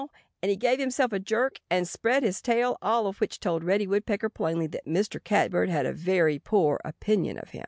And he gave himself a jerk and spread his tail, all of which told Reddy Woodpecker plainly that Mr. Catbird had a very poor opinion of him.